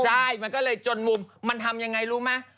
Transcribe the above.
ใช่ก็เลยจนมุมมันทำยังไงรู้มั้ย